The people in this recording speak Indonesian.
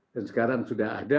dan sekarang sudah ada